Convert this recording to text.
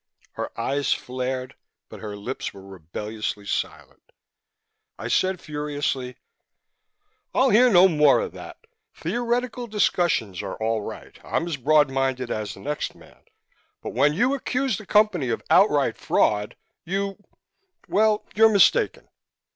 Her eyes flared, but her lips were rebelliously silent. I said furiously: "I'll hear no more of that. Theoretical discussions are all right; I'm as broad minded as the next man. But when you accuse the Company of outright fraud, you well, you're mistaken."